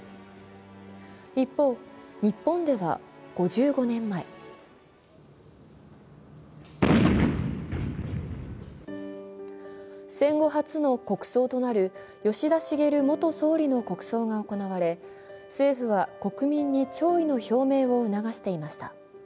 一方、日本では５５年前戦後初の国葬となる吉田茂元総理の国葬が行われ政府は国民に弔意の表明を促していました。